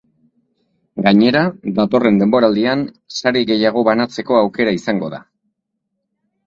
Gainera, datorren denboraldian sari gehiago banatzeko aukera izango da.